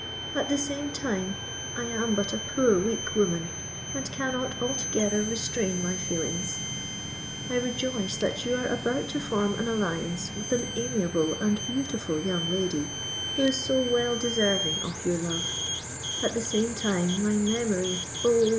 "At the same time, I am but a poor weak woman, and cannot altogether restrain my feelings. I rejoice that you are about to form an alliance with an amiable and beautiful young lady, who is so well deserving of your love: at the same time, my memory—oh!